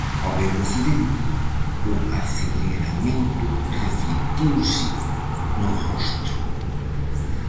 Ao ver o accidente, o aceleramento reflectiuse no rostro.